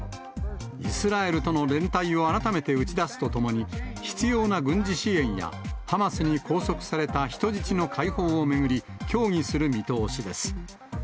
イスラエルとの連帯を改めて打ち出すとともに、必要な軍事支援や、ハマスに拘束された人質の解放を巡り、協議する見通しです。